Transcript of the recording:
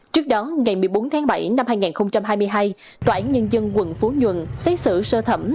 trước đó ngày một mươi bốn tháng bảy năm hai nghìn hai mươi hai tòa án nhân dân quận phú nhuận xét xử sơ thẩm